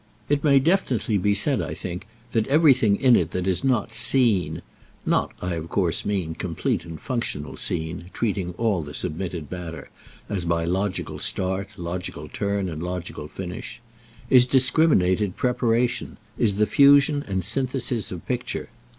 It may definitely be said, I think, that everything in it that is not scene (not, I of course mean, complete and functional scene, treating all the submitted matter, as by logical start, logical turn, and logical finish) is discriminated preparation, is the fusion and synthesis of picture.